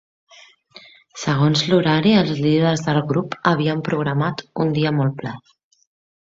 Segons l'horari, els líders del grup havien programat un dia molt ple.